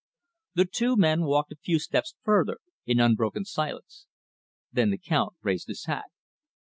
The two men walked a few steps further in unbroken silence. Then the Count raised his hat.